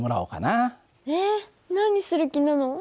えっ何する気なの？